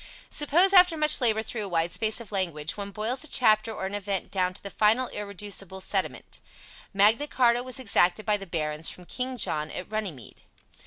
Suppose after much labor through a wide space of language one boils a chapter or an event down to the final irreducible sediment: "Magna Charta was exacted by the barons from King John at Runnymede."